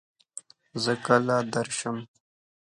زۀ کله درشم ؟